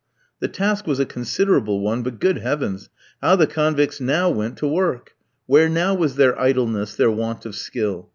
The task was a considerable one, but, good heavens! how the convicts now went to work! Where now was their idleness, their want of skill?